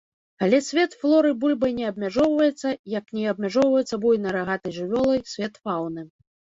Але свет флоры бульбай не абмяжоўваецца, як не абмяжоўваецца буйной рагатай жывёлай свет фауны.